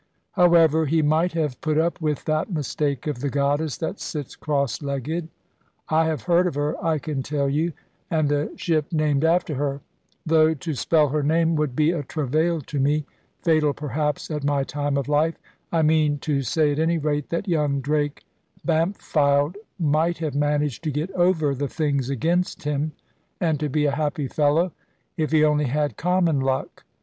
However, he might have put up with that mistake of the goddess that sits cross legged, I have heard of her, I can tell you, and a ship named after her; though to spell her name would be a travail to me, fatal perhaps at my time of life, I mean to say, at any rate, that young Drake Bampfylde might have managed to get over the things against him, and to be a happy fellow, if he only had common luck.